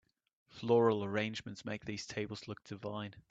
Floral arrangements make these tables look divine.